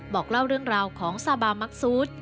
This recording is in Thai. บอกเล่าเรื่องราวของซาบามักซูด